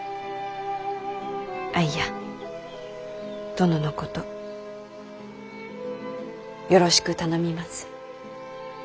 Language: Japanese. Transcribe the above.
殿のことよろしく頼みます。